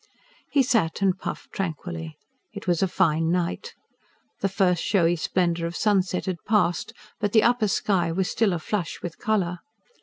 He sat and puffed, tranquilly. It was a fine night. The first showy splendour of sunset had passed; but the upper sky was still aflush with colour.